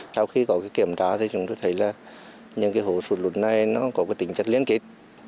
sau khi có kiểm tra thì chúng tôi thấy là những hố sụt lún này nó có tính chất liên kết